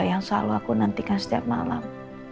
yang selalu aku nantikan setiap malam